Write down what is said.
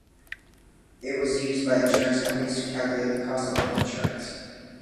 It was used by insurance companies to calculate the cost of life insurance.